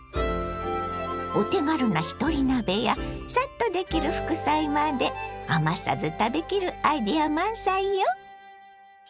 お手軽なひとり鍋やサッとできる副菜まで余さず食べきるアイデア満載よ。